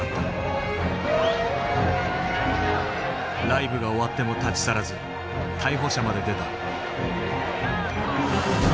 ライブが終わっても立ち去らず逮捕者まで出た。